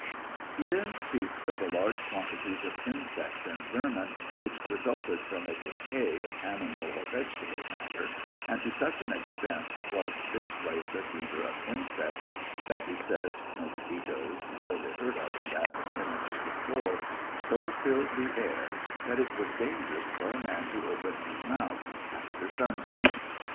He then speaks of the large quantities of insects and vermin which resulted from a decay of animal or vegetable matter, and to such an extent was this place a breeder of insects, that ho says mosquitos, rarely heard of iu that vicinity before, so filled the air " that it was dangerous for a man to open his mouth after sundown."